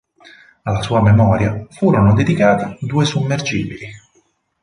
Alla sua memoria furono dedicati due sommergibili.